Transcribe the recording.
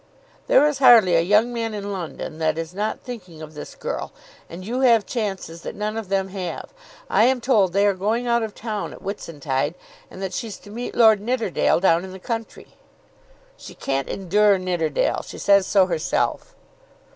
"There is hardly a young man in London that is not thinking of this girl, and you have chances that none of them have. I am told they are going out of town at Whitsuntide, and that she's to meet Lord Nidderdale down in the country." "She can't endure Nidderdale. She says so herself."